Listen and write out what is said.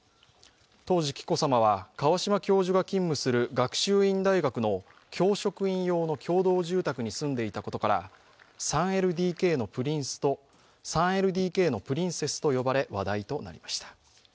当時、紀子さまは川嶋教授が勤務する学習院大学の教職員用の共同住宅に住んでいたことから３ＬＤＫのプリンセスと呼ばれ話題となりました。